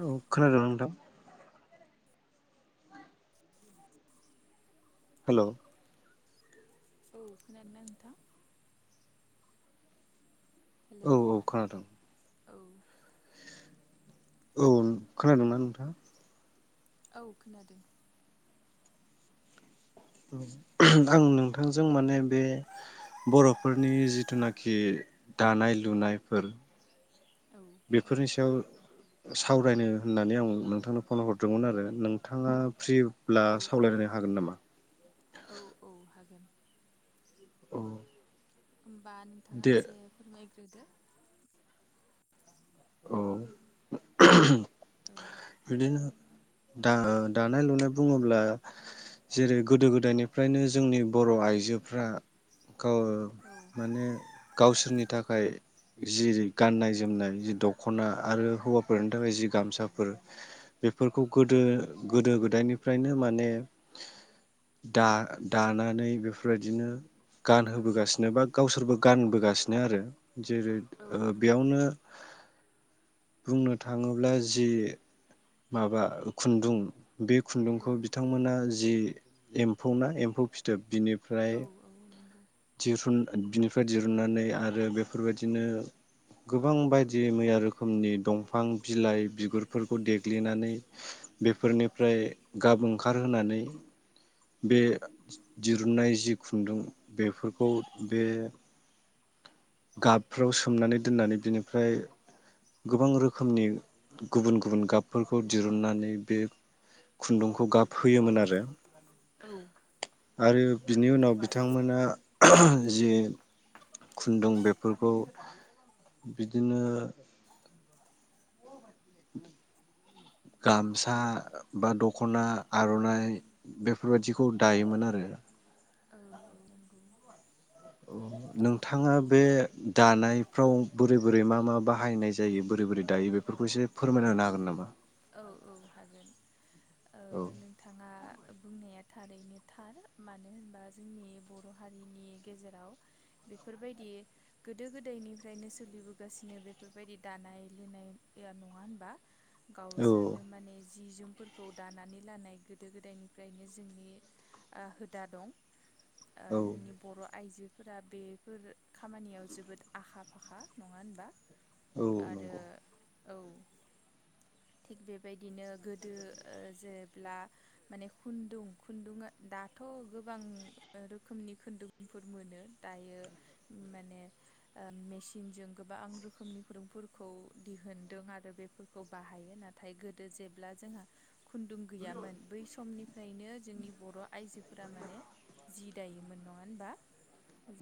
औ। खोनादों ना नोंथां होलौ। औ खोनादीं ना नोंथां हेलौ औ औ खोनादों। औ। औ खोनादोंना नोंथाङा? औ खोनादों। आं नोंथांजों माने बे बर'फोरनि जिथुनाखि दानाय लुनायफोर औ औ बेफोरनि सायाव सावरायनो होननानै आं नोंथांनो फन हरदोंमोन आरो नोंथाङा फ्रिब्ला औ औ सावरायलायनो हागोन नामा? औ औ हागोन अ। होनोमबा नोंथाङा एसे फोरमाय [unintelligible] औ। औ [inaudible] बिदिनो दा दानाय लुनाय बुङोब्ला जेरै गोदो गोदायनिफ्रायनो जोंनि बर' आइजोफ्रा अ औ माने गावसोरनि थाखाय जि गाननाय जोमनाय जि दख'ना आरो हौवाफोरनि थाखाय जि गामसाफोर बेफोरखौ गोदो गोदो गोदायनिफ्रायनो माने दा-दानानै बेफोरबायदिनो गान औ होबोगासिनो बा गावसोरबो गानबोगासिनो आरो जेरै औ ओ नंगौ बेयावनो बुंनो थाङोब्ला जि माबा खुन्दुं बे खुन्दुंखौ औ बिथांमोना जि एम्फौ ना एम्फौ फिथोब बिनिफ्राय औ नंगौ दिरुन बिनिफ्राय दिरुनन्नानै आरो बेफोरबायदिनो गोबां बायदि मैया रोखोमनि दंफां बिलाइ बिगुरफोर खौ देग्लिनानै बेफोरनिफ्राय गाब ओंखारहोनानै बे औ दिरुननाय जि खुन्दुं बेफोरखौ बे गाबफ्राव सोमनानै दोननानै बिनिफ्राय गोबां रोखोमनि गुबुन गुबुन गाबफोरखौ दिरुननानै बे खुन्दुंखौ गाब होयोमोन आरो औ आरो बिनि उनाव बिथांमोना जे खुन्दुं बेफोरखौ बिदिनो गामसा बा दखना आर'नाइ बे बेफोरबायाददिखौ औ दायोमोन आरो औ नंगौ नोंथाङा बे दानायफ्राव बोरै बोरै मा मा बाहायनाय जायो बोरै बोरै दायो बेफोरखौ एसे फोरमायना होनो औ हागोन नामा? औ औ हागोन औ नोंथाङा? बुंनाया थारैनो थार मानो होनबा जोंनि बर' हारिनि गेजेराव बेफोरबायदि गोदो गोदायनिफ्रायनो सोलिबोगासिनो बेफोरबायदि दानाय लुनाया नङा होनबा? गावसोरनो माने जि जोमफोरखौ दानानै लानाय गोदो गोदायनिफ्रायनो जोंनि ओ होदा दं ओ औ जोंनि बर' आइजो फोरा बेफोर खामानियाव जोबोद आखा फाखा नङा होनबा? औ आरो नंगौ औ थिग बेबायदिनो गोदो जेब्ला माने खुन्दुं खुन्दुंआ दाथ' गोबां रोखोमनि खुन्दुंफोर मोनो दायो माने ओ मेसिनजों गोबां रोखोमनि खुन्दुंफोरखौ दिहुनदों आरो बे खौ बाहायो नाथाय गोदो जेब्ला जोंहा खुन्दुं गैयामोन बै समनिफ्रायनो जोंनि बर' आइजोफोरा माने जि दायोमोन नङा होनबा?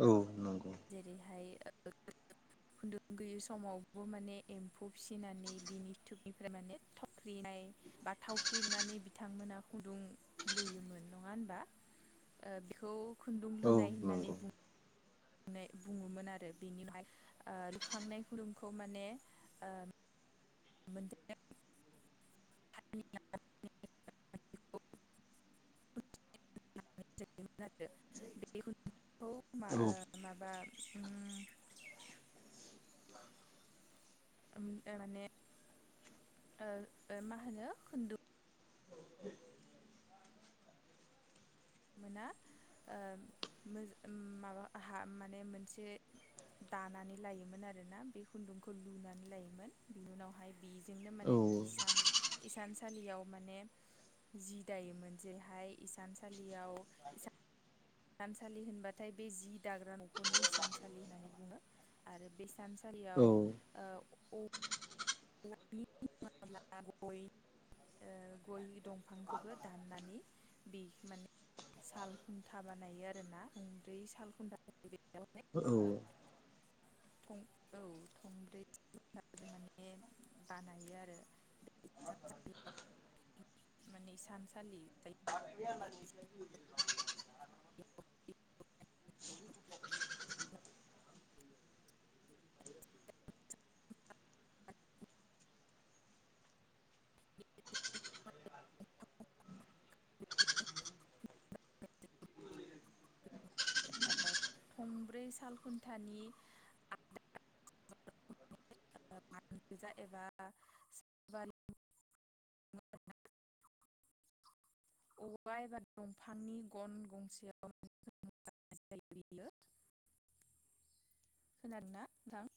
औ नंगौ जेरैहाय खुन्दुं गैयि समावबो माने एम्फौ फिसिनानै बिनि बेनिफ्राय माने थावख्रिनाय बा थावख्रिनानै बिथांमोना खुन्दुं लुयोमोन नङा होनबा बेखौ खुन्दुं औ लुनाय होननानै नंगौ बुङो नाय बुङोमोन आरो बेनिफ्राय लुखांनाय खुुरुमखौ माने ओ [unintelligible] [unintelligible] [unintelligible] खौ मा औ ओ माबा उम ओ माने ओ ओ मा होनो खुदुं मोना ओ मोजा माबा हा माने मोनसे दानानै लायोमोन आरोना बे खुन्दुंखौ लुनानै लायोमोन। बेनि उनावहाय बिजोंनो माने औ इसान इसानसालियाव माने जि दायोमोन जेहाय इसानसालि याव इसा [unintelligible] होनबाथाय बे जि दाग्रा न'खौनो हिसानसालि होननानै बुङो आरो बे हिसानसालियाव ओ औ [unintelligible] ओ गय गय दंफांखौबो दाननानै बे माने साल खुन्था बानायो आरोना गंब्रै साल खुन्था। [unintelligible] औ औ थंब्रै माने बानायो आरो बे माने इ सानसालि जायो [inaudible] [inaudible] ओ थंब्रै साल [unintelligible] एबा अबेबा एबा दंफांनि गन गंसेयाव होनादों ना नोंथां